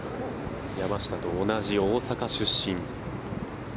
山下と同じ大阪出身。